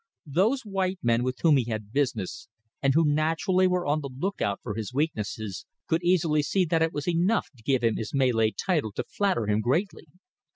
Those white men with whom he had business, and who naturally were on the look out for his weaknesses, could easily see that it was enough to give him his Malay title to flatter him greatly.